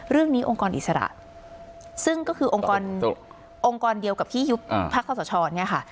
เรื่องนี้องค์กรอิสระซึ่งก็คือองค์กรเดียวกับที่ยุบพรรคศาสตร์ชอนี่ค่ะ